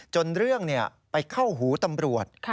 จนเรื่องไปเข้าหูตำรวจ